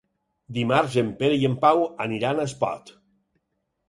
Dimarts en Pere i en Pau aniran a Espot.